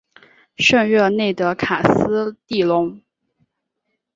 圣热内德卡斯蒂隆。